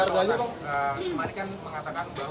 akan melaporkan minta bantuan kepada